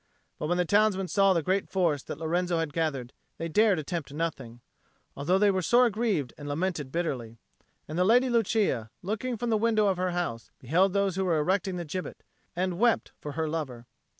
But when the townsmen saw the great force that Lorenzo had gathered, they dared attempt nothing, although they were sore grieved and lamented bitterly. And the Lady Lucia, looking from the window of her house, beheld those who were erecting the gibbet, and wept for her lover.